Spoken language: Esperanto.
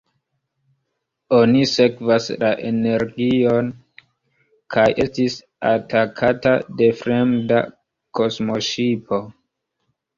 Oni sekvas la energion kaj estis atakata de fremda kosmoŝipo.